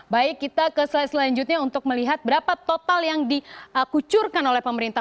baik kita ke slide selanjutnya untuk melihat berapa total yang dikucurkan oleh pemerintah